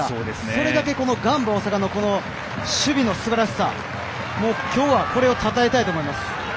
それだけガンバ大阪の守備のすばらしさ今日はこれをたたえたいと思います。